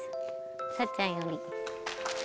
さっちゃんより」。